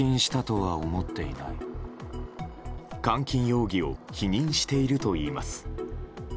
監禁容疑を否認しているといいます。